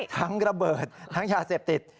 ทั้งระเบิดทั้งยาเสพติด